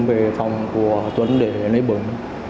về phòng của tuấn để lấy bẩn